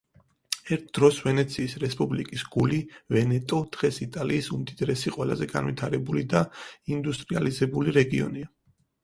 ერთ დროს ვენეციის რესპუბლიკის გული, ვენეტო დღეს იტალიის უმდიდრესი, ყველაზე განვითარებული და ინდუსტრიალიზებული რეგიონია.